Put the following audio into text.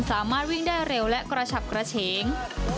สามารถวิ่งได้เร็วและกระฉับกระเฉง